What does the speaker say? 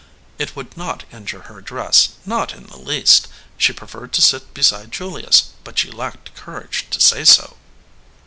It would not injure her dress, not in the least; she preferred to sit beside Julius, but she lacked courage to say so.